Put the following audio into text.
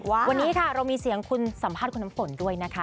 วันนี้ค่ะเรามีเสียงคุณสัมภาษณ์คุณน้ำฝนด้วยนะคะ